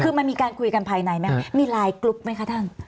คือมันมีการคุยกันภายในไหมมีไลน์กรุ๊ปไหมคะท่าน